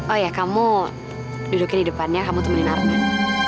oh ya kamu dudukin di depannya kamu temenin arman